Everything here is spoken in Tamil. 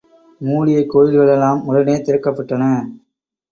மூடிய கோயில்களெல்லாம் உடனே திறக்கப்பட்டன.